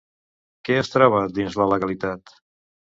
Què es troba dins la legalitat?